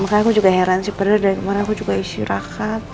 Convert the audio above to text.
makanya aku juga heran sebenarnya dari kemarin aku juga istirahat